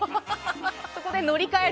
そこで乗り換え。